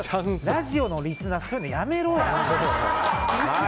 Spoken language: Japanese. ラジオのリスナーそういうのやめろよ。